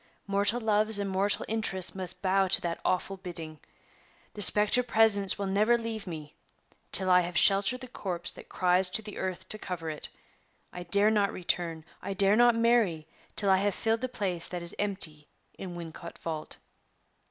Mortal loves and mortal interests must bow to that awful bidding. The specter presence will never leave me till I have sheltered the corpse that cries to the earth to cover it! I dare not return I dare not marry till I have filled the place that is empty in Wincot vault."